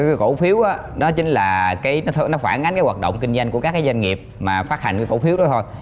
cái cổ phiếu đó chính là cái nó phản ánh cái hoạt động kinh doanh của các cái doanh nghiệp mà phát hành cái cổ phiếu đó thôi